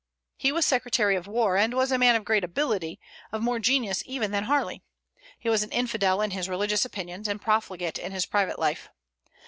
He was secretary of war, and was a man of great ability, of more genius even than Harley. He was an infidel in his religious opinions, and profligate in his private life.